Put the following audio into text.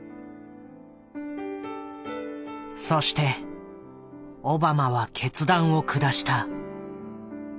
そしてオバマは決断を下した。